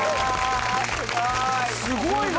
すごいな。